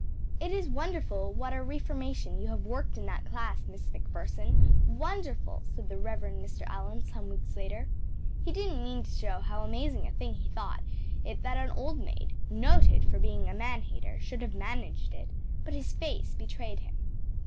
“It is wonderful what a reformation you have worked in that class, Miss MacPherson wonderful,‚ÄĚ said the Rev. Mr. Allan some weeks later. He didn’t mean to show how amazing a thing he thought it that an old maid noted for being a man hater should have managed it, but his face betrayed him.